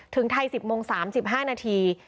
ถึงไทยสิบโมงสามสิบห้านาที